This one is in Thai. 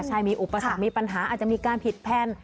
ใช่มีอุปสรรคมีปัญหาอาจจะมีการผิดแพลน